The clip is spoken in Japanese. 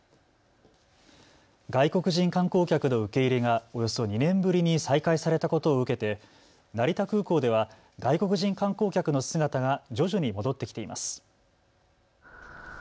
外国人観光客の受け入れがおよそ２年ぶりに再開されたことを受けて成田空港では外国人観光客の姿が徐々に戻ってきています。